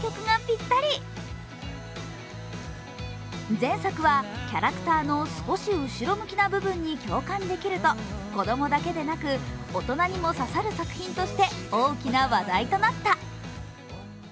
前作は、キャラクターの少し後ろ向きな部分に共感できると、子供だけでなく、大人にも刺さる作品として大きな話題となった。